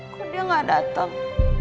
kok dia gak dateng